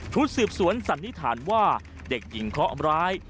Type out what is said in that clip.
ชุดสืบสวนสันนิษฐานว่าเด็กหญิงเคาะร้าย